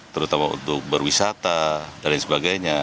terutama untuk berwisata dan sebagainya